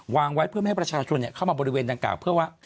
วางไว้เพื่อไม่ให้ประชาชนเข้ามาบริเวณดังกล่าเพื่อว่า